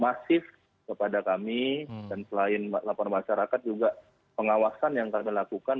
masif kepada kami dan selain laporan masyarakat juga pengawasan yang kami lakukan